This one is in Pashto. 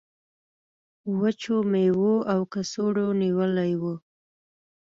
وچو میوو او کڅوړو نیولی و.